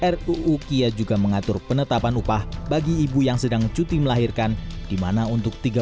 ruu kia juga mengatur penetapan upah bagi ibu yang sedang cuti melahirkan dimana untuk tiga